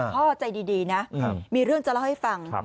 พ่อใจดีนะมีเรื่องจะเล่าให้ฟัง